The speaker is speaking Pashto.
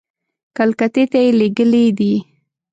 کلکتې ته یې لېږلي دي.